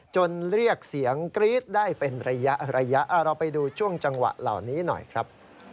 เรียกเสียงกรี๊ดได้เป็นระยะระยะเราไปดูช่วงจังหวะเหล่านี้หน่อยครับ